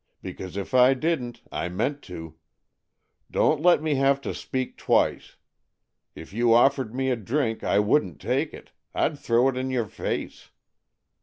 because if I didn't, I meant to. Don't let me have to speak twice. If you offered me a drink, I wouldn't take it. I'd throw it in your face.